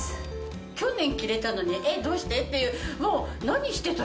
去年着れたのにえっどうして？っていう何してた？